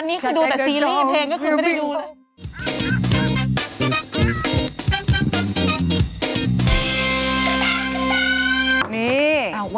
นี่คือดูแต่ซีรีส์เพลงก็คือไม่ได้ดูเลย